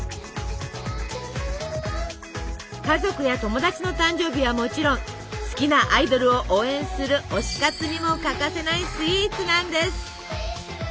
家族や友達の誕生日はもちろん好きなアイドルを応援する推し活にも欠かせないスイーツなんです！